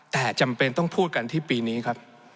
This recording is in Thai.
แต่จำเป็นต้องพูดกันที่ปีนี้ครับ